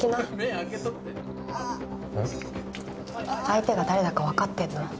相手が誰だかわかってんの？